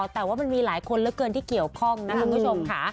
แต่ว่ามันมีหลายคนเหลือเกินที่เกี่ยวข้องนะคุณผู้ชมค่ะ